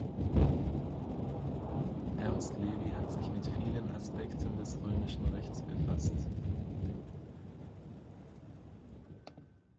Ernst Levy hat sich mit vielen Aspekten des römischen Rechts befasst.